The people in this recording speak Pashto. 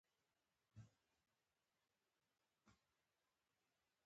یا د تورې غوا لوشل وي